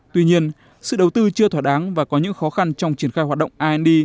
tuy nhiên sự đầu tư chưa thỏa đáng và có những khó khăn trong triển khai hoạt động ind